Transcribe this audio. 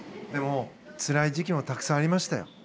でも、つらい時期はたくさんありましたよ。